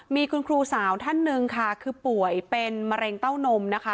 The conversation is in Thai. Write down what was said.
มีคุณครูสาวท่านหนึ่งค่ะคือป่วยเป็นมะเร็งเต้านมนะคะ